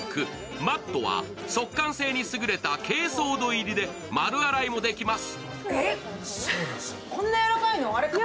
マットは速乾性に優れたけいそう土入りで丸洗いもできます。